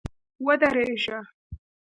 ودرېږه!